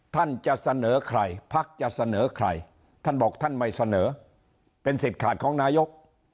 ท่านจะเสนอใครพักจะเสนอใครท่านบอกท่านไม่เสนอเป็นสิทธิ์ขาดของนายก